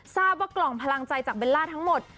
ทราบว่ากล่องพลังใจจากเบลล่าทั้งหมด